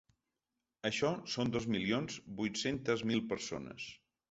Això són dos milions vuit-centes mil persones.